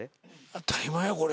当たり前やこれ。